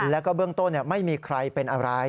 แล้วก็เบื้องต้นไม่มีใครเป็นอะไร